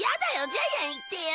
ジャイアン行ってよ。